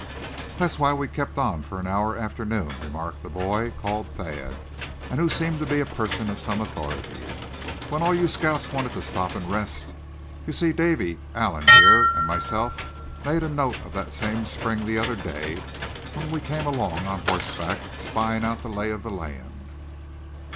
"That's why we kept on for an hour after noon," remarked the boy called Thad, and who seemed to be a person of some authority; "when all you scouts wanted to stop and rest. You see Davy, Allan here, and myself made a note of that same spring the other day, when we came along on horseback, spying out the lay of the land."